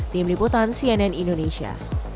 tim liputan cnn indonesia